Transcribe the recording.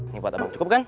ini buat abang cukup kan